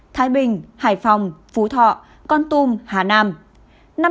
thái bình hải phòng phú thọ con tum hà nam